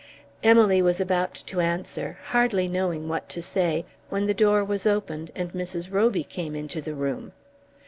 Emily was about to answer, hardly knowing what to say, when the door was opened and Mrs. Roby came into the room.